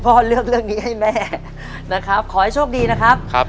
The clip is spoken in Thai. เลือกเรื่องนี้ให้แม่นะครับขอให้โชคดีนะครับครับ